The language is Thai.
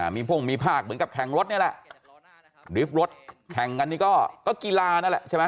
มีพ่งมีภาคเหมือนกับแข่งรถนี่แหละดิฟต์รถแข่งกันนี่ก็กีฬานั่นแหละใช่ไหม